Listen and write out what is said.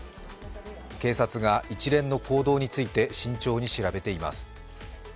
警察が一連の行動について慎重に調べています。